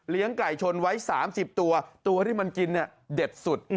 ไก่ชนไว้๓๐ตัวตัวที่มันกินเนี่ยเด็ดสุด